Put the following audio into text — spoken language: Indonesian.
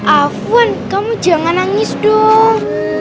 afuan kamu jangan nangis dong